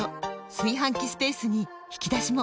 炊飯器スペースに引き出しも！